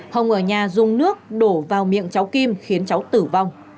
hồng ở nhà dùng nước đổ vào miệng cháu kim khiến cháu tử vong